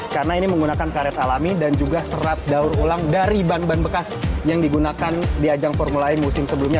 karena ini menggunakan karet alami dan juga serat daur ulang dari ban ban bekas yang digunakan di ajang formula e musim sebelumnya